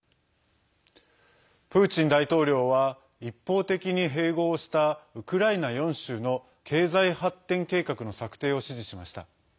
プーチン大統領は一方的に併合したウクライナ４州の経済発展計画の策定を指示しました。